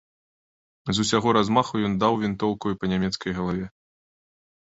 З усяго размаху ён даў вінтоўкаю па нямецкай галаве.